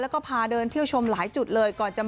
แล้วก็พาเดินเที่ยวชมหลายจุดเลยก่อนจะ